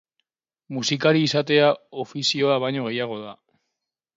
Musikari izatea ofizioa baino gehiago da.